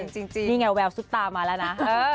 จริงนี่แย้วสุดตามมาแล้วนะ